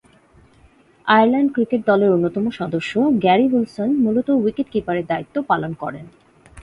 Ireland cricket দলের অন্যতম সদস্য গ্যারি উইলসন মূলতঃ উইকেট-কিপারের দায়িত্ব পালন করেন।